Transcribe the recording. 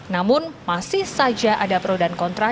namun masih saja ada pro dan kontra